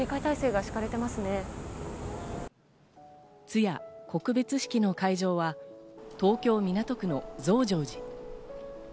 通夜・告別式の会場は東京・港区の増上寺。